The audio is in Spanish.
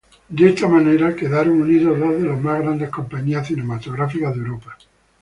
De esta manera quedaron unidas dos de las más grandes compañías cinematográficas de Europa.